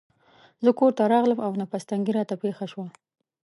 زه کورته راغلم او نفس تنګي راته پېښه شوه.